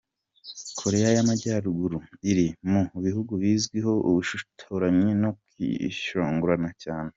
Koreya y’Amajyaruguru, iri mu bihugu bizwiho ubushotoranyi no kwishongora cyane.